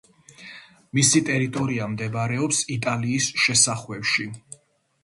მისი ტერიტორია მდებარეობს იტალიის შესახვევში.